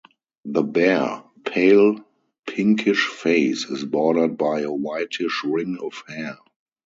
The bare, pale pinkish face is bordered by a whitish ring of hair.